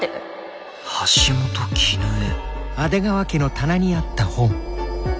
橋本絹江。